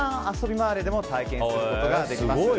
マーレでも体験することができます。